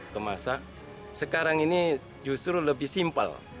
kemasak sekarang ini justru lebih simpel